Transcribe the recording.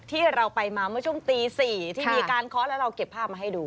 ที่เราไปมาเมื่อช่วงตี๔ที่มีการเคาะแล้วเราเก็บภาพมาให้ดู